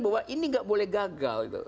bahwa ini nggak boleh gagal